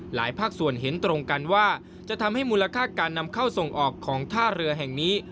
ภาคส่วนเห็นตรงกันว่าจะทำให้มูลค่าการนำเข้าส่งออกของท่าเรือแห่งนี้